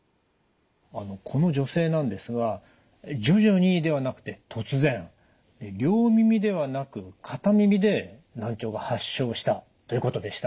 あのこの女性なんですが徐々にではなくて突然両耳ではなく片耳で難聴が発症したということでした。